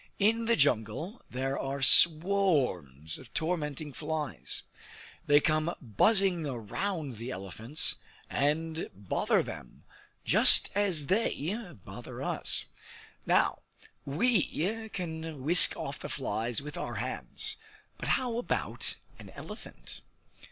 In the jungle there are swarms of tormenting flies; they come buzzing around the elephants, and bother them, just as they bother us. Now, we can whisk off the flies with our hands, but how about an elephant?